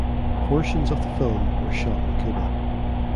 Portions of the film were shot in Cuba.